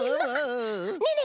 ねえねえ